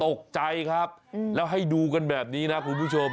ตกใจครับแล้วให้ดูกันแบบนี้นะคุณผู้ชม